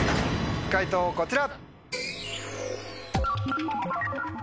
解答こちら！